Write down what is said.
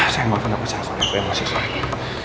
sayang maafin aku jangan soalnya aku emosi sekali